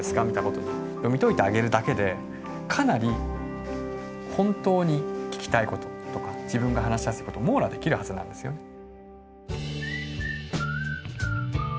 みたいなことで読み解いてあげるだけでかなり本当に聞きたいこととか自分が話しやすいこと網羅できるはずなんですよね。